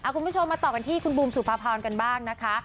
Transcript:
คุณผู้ชมมาต่อกันที่คุณบูมสุภาพรกันบ้างนะคะ